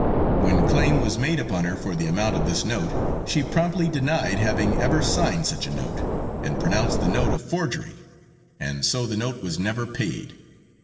When claim was made upon her for the amount of this note she promptly denied having ever signed such a note, and pronounced the note a forgery, and so the note was never paid.